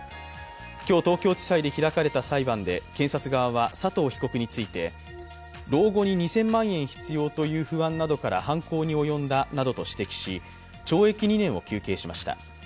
今日、東京地裁で開かれた裁判で検察側は佐藤被告について、老後に２０００万円必要などという不安から犯行に及んだなどと指摘し、懲役２年を求刑しました。